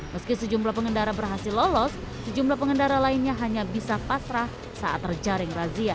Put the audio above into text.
meski sejumlah pengendara berhasil lolos sejumlah pengendara lainnya hanya bisa pasrah saat terjaring razia